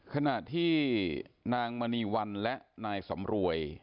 ขนาดที่นะฯมนิวันและนะอิสมรวย